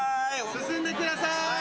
進んでください。